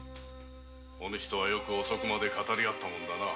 お主とはよく遅くまで語り合ったものだな。